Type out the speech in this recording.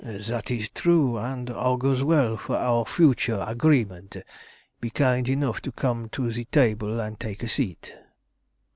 "That is true, and augurs well for our future agreement. Be kind enough to come to the table and take a seat."